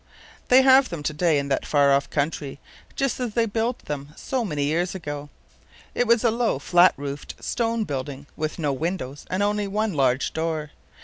They have them today in that far off country, just as they built them so many years ago. It was a low, flat roofed, stone building, with no windows and only one large door.